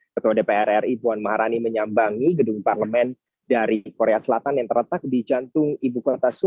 ketua dpr ri puan maharani menyambangi gedung parlemen dari korea selatan yang terletak di jantung ibu kota